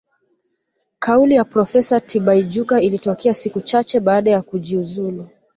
Kauli ya Profesa Tibaijuka ilitoka siku chache baada ya kujiuzulu